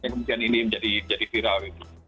kemudian ini menjadi viral